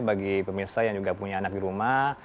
bagi pemirsa yang juga punya anak di rumah